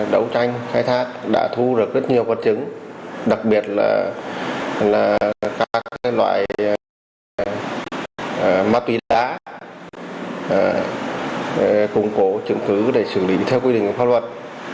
đấu tranh khai thác đã thu được rất nhiều vật chứng đặc biệt là các loại ma túy đá cùng cố chứng cứ để xử lý theo quy định của pháp luật